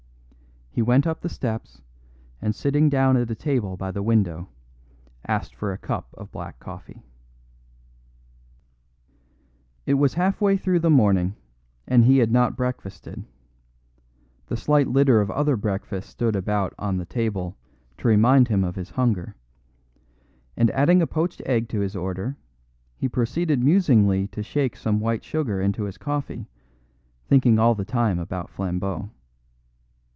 He went up the steps, and sitting down at a table by the window, asked for a cup of black coffee. It was half way through the morning, and he had not breakfasted; the slight litter of other breakfasts stood about on the table to remind him of his hunger; and adding a poached egg to his order, he proceeded musingly to shake some white sugar into his coffee, thinking all the time about Flambeau.